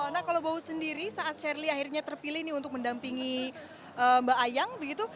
nah kalau bau sendiri saat shirley akhirnya terpilih nih untuk mendampingi mbak ayang begitu